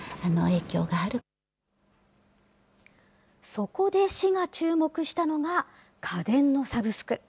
そこで市が注目したのが、家電のサブスク。